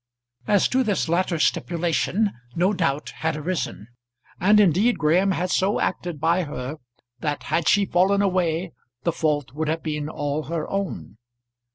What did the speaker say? As to this latter stipulation no doubt had arisen; and indeed Graham had so acted by her that had she fallen away the fault would have been all her own.